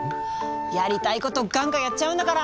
やりたいことガンガンやっちゃうんだから！